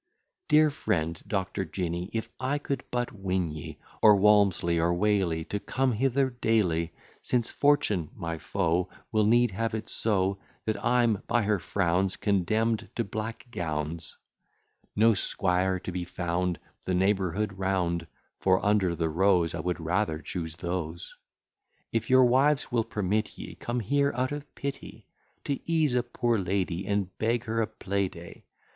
Dear friend, Doctor Jinny. If I could but win ye, Or Walmsley or Whaley, To come hither daily, Since fortune, my foe, Will needs have it so, That I'm, by her frowns, Condemn'd to black gowns; No squire to be found The neighbourhood round; (For, under the rose, I would rather choose those) If your wives will permit ye, Come here out of pity, To ease a poor lady, And beg her a play day.